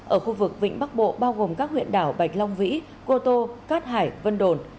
ở khu vực vịnh bắc bộ bao gồm các huyện đảo bạch long vĩ cô tô cát hải vân đồn